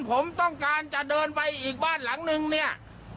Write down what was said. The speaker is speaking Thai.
ผมต้องการจะเดินไปอีกบ้านหลังนึงเนี่ย